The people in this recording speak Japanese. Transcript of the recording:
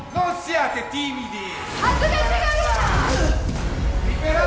恥ずかしがるな！